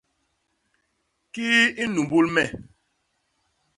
Kii i nnumbul me?